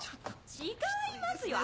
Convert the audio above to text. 違いますよ